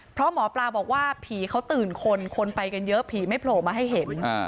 เพราะหมอปลาบอกว่าผีเขาตื่นคนคนไปกันเยอะผีไม่โผล่มาให้เห็น